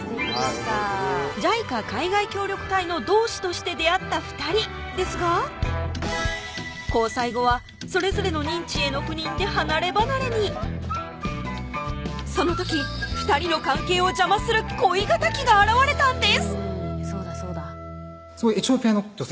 ＪＩＣＡ海外協力隊の同志として出会った２人ですが交際後はそれぞれの任地への赴任で離れ離れにその時２人の関係を邪魔する恋敵が現れたんです私